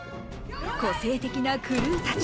個性的なクルーたち